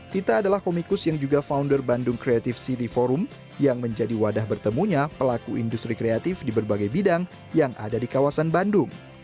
tita adalah komikus yang juga founder bandung creative city forum yang menjadi wadah bertemunya pelaku industri kreatif di berbagai bidang yang ada di kawasan bandung